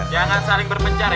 jangan saling berpencar ya